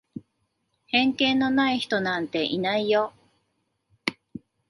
偏見のない人なんていないよ。